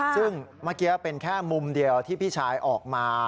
ซึ่งเมื่อกี้เป็นแค่มุมเดียวที่พี่ชายออกมา